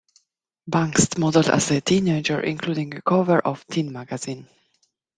Banks modeled as a teenager, including a cover of "Teen" magazine.